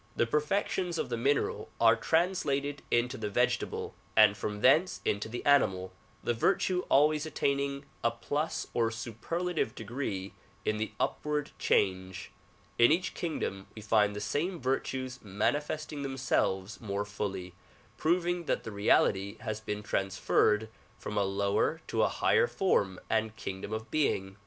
The perfections of the mineral are translated into the vegetable and from thence into the animal, the virtue always attaining a plus or superlative degree in the upward change. In each kingdom we find the same virtues manifesting them selves more fully, proving that the reality has been trans ferred from a lower to a higher form and kingdom of being.